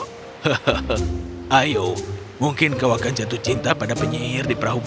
hahaha ayo mungkin kau akan jatuh cinta pada penyihir di perahu